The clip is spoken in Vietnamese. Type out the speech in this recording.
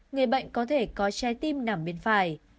người bệnh có thể có trái tim nằm bên phải